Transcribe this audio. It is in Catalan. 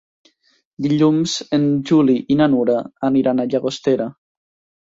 Dilluns en Juli i na Nura aniran a Llagostera.